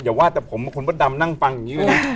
อย่าว่าแต่ผมคนบดดำนั่งฟังอย่างนี้เลย